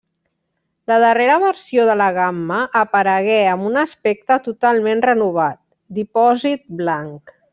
La darrera versió de la gamma aparegué amb un aspecte totalment renovat: dipòsit blanc.